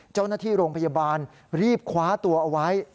เจ้าหน้าที่โรงพยาบาลรีบคว้าตัวเอาไว้